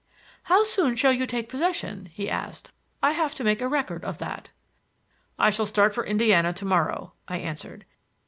"How soon shall you take possession?" he asked. "I have to make a record of that." "I shall start for Indiana to morrow," I answered.